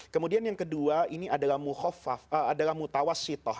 kemudian yang kedua ini adalah mutawassilat